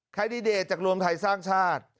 แดดิเดตจากรวมไทยสร้างชาติ